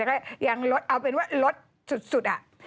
ก็ยังลดเอาเป็นว่าลดสุดอะ